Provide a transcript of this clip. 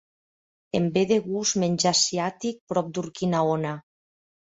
Em ve de gust menjar asiàtic prop d'Urquinaona.